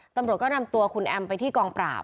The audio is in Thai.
ตำรวจก็นำตัวคุณแอมไปที่กองปราบ